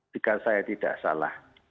jika saya tidak salah